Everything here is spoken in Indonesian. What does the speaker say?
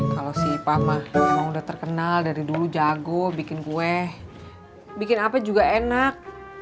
kalau si pamah emang udah terkenal dari dulu jago bikin kue bikin apa juga enak